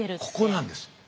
ここなんです。